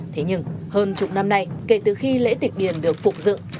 thế nhưng hơn chục năm nay kể từ khi lễ tịch điền được phục dựng